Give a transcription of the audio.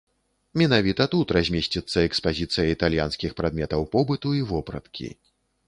Менавіта тут размесціцца экспазіцыя італьянскіх прадметаў побыту і вопраткі.